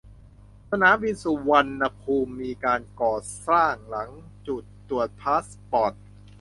สนามบินสุรรณภูมิมีการก่อสร้างหลังจุดตรวจพาสปอร์ต